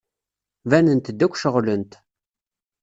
Banent-d akk ceɣlent.